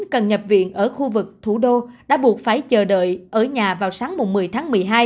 cần nhập viện ở khu vực thủ đô đã buộc phải chờ đợi ở nhà vào sáng một mươi tháng một mươi hai